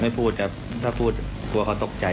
ไม่พูดครับถ้าพูดกลัวเขาตกใจ